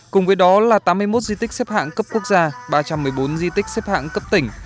cùng với đó là tám mươi một di tích xếp hạng cấp quốc gia ba trăm một mươi bốn di tích xếp hạng cấp tỉnh